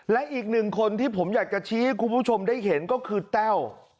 และอีกหนึ่งคนที่ผมอยากจะชี้ให้คุณผู้ชมได้เห็นก็คือแต้ว